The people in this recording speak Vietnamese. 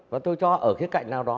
và tôi cho ở cái cạnh nào đó